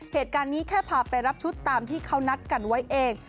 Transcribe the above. เหตุการณ์นี้แค่พาไปรับชุดตามที่เขานัดกันไว้เอง